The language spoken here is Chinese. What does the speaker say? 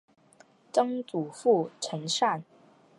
曾祖父陈善。